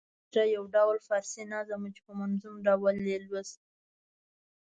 نشرح یو ډول فارسي نظم وو چې په منظوم ډول یې لوست.